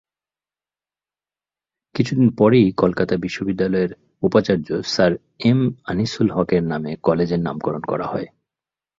কিছুদিন পরেই কলকাতা বিশ্ববিদ্যালয়ের উপাচার্য স্যার এম. আযিযুল হকের নামে কলেজের নামকরণ করা হয়।